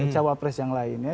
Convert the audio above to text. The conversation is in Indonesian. cawapres yang lain ya